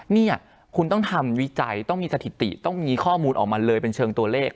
นี่คุณต้องทำวิจัยต้องมีสถิติต้องมีข้อมูลออกมาเลยเป็นเชิงตัวเลข